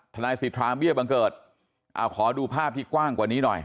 ทนายสิทธาเบี้ยบังเกิดขอดูภาพที่กว้างกว่านี้หน่อย